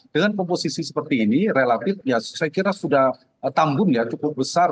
dengan komposisi seperti ini relatif ya saya kira sudah tambun ya cukup besar